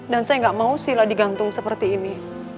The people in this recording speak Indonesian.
dan saya nggak mau sila digantung seperti ini